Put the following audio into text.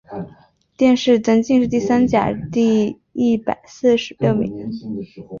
殿试登进士第三甲第一百四十六名。